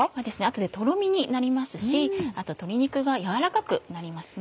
後でとろみになりますしあと鶏肉が軟らかくなりますね。